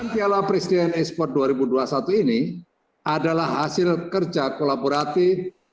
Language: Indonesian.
piala presiden esports dua ribu dua puluh satu ini adalah hasil kerja kolaboratif